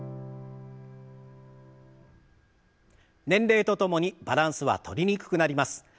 年齢とともにバランスはとりにくくなります。